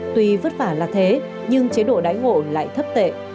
tuy vất vả là thế nhưng chế độ đáy ngộ lại thấp tệ